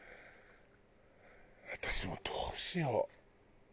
私もどうしよう？